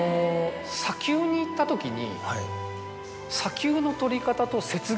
砂丘に行った時に。